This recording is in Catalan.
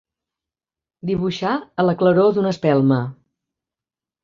Dibuixar a la claror d'una espelma.